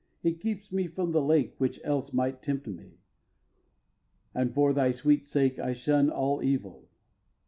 It keeps me from the lake Which else might tempt me; and for thy sweet sake I shun all evil.